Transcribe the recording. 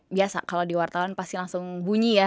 biasa kalau di wartawan pasti langsung bunyi ya